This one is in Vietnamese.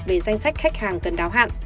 về danh sách khách hàng cần đáo hạn